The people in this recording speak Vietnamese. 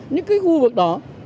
những cái khu vực đó